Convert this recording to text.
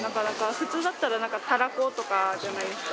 普通だったらタラコとかじゃないですか。